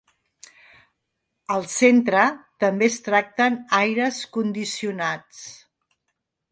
Al Centre també es tracten aires condicionats.